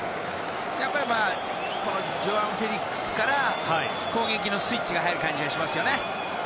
やっぱりジョアン・フェリックスから攻撃のスイッチが入る感じがしますよね。